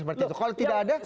kalau tidak ada